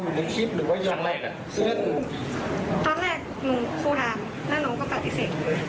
ครูก็ถามที่น้องไปยอมรับนี่ครูก็ถามว่าไง